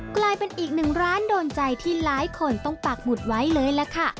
กลายเป็นอีกหนึ่งร้านโดนใจที่หลายคนต้องปักหมุดไว้เลยล่ะค่ะ